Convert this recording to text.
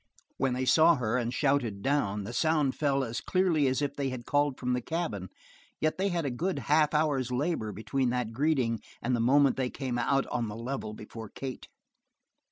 When they saw her and shouted down the sound fell as clearly as if they had called from the cabin, yet they had a good half hour's labor between that greeting and the moment they came out on the level before Kate.